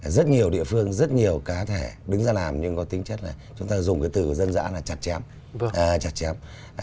rất nhiều địa phương rất nhiều cá thể đứng ra làm nhưng có tính chất là chúng ta dùng cái từ dân dã là chặt chém chặt chém